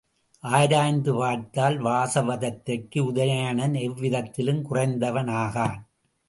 ஆராய்ந்து பார்த்தால் வாசவதத்தைக்கு உதயணன் எவ்விதத்திலும் குறைந்தவன் ஆகான்.